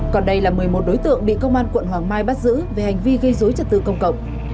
còn đây là một mươi một đối tượng bị công an quận hoàng mai bắt giữ về hành vi gây dối trật tự công cộng